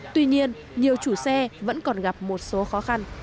tuy nhiên nhiều chủ xe vẫn còn gặp một số khó khăn